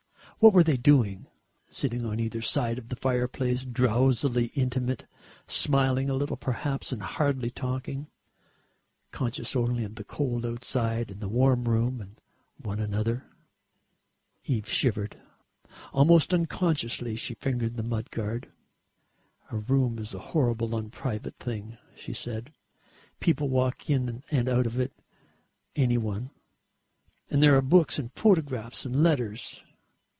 What were they doing? Sitting on either side of the fireplace drowsily intimate, smiling a little perhaps and hardly talking, conscious only of the cold outside and the warm room and one another.... Eve shivered. Almost unconsciously she fingered the mud guard. "A room is a horrible unprivate thing," she said. "People walk in and out of it, any one, and there are books and photographs and letters.